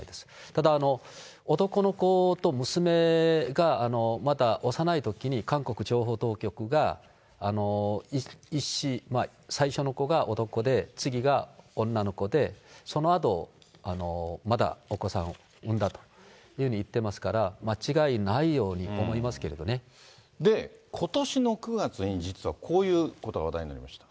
ただ、男の子と娘がまだ幼いときに、韓国情報当局が、１子、最初の子が男で、次が女の子で、そのあと、またお子さんを産んだというふうにいってますから、間違いないよで、ことしの９月に実はこういうことが話題になりました。